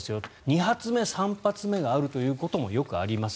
２発目、３発目があるということもよくあります